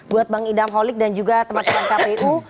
buat bang idam holik dan juga teman teman kpu